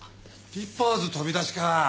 リッパーズ飛び出しか。